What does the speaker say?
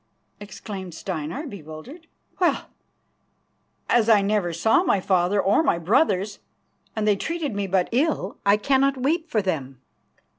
exclaimed Steinar, bewildered. "Well, as I never saw my father or my brothers, and they treated me but ill, I cannot weep for them."